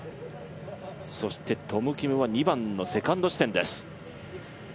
そしてトム・キムは２番のセカンド地点です。